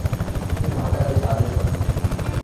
তিনি মহাত্মা গান্ধীর সাহায্য চান।